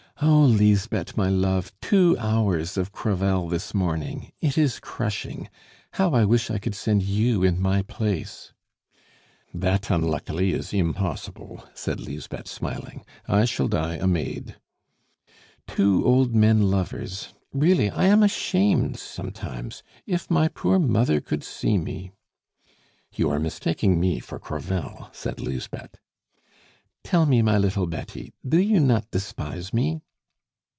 "Oh, Lisbeth, my love, two hours of Crevel this morning! It is crushing! How I wish I could send you in my place!" "That, unluckily, is impossible," said Lisbeth, smiling. "I shall die a maid." "Two old men lovers! Really, I am ashamed sometimes! If my poor mother could see me." "You are mistaking me for Crevel!" said Lisbeth. "Tell me, my little Betty, do you not despise me?"